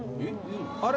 あれ。